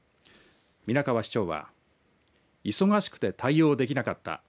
皆川市長は忙しくて対応できなかった。